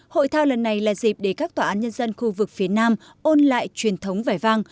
hội thao lần này là dịp để các tòa án nhân dân khu vực phía nam ôn lại truyền thống vẻ vang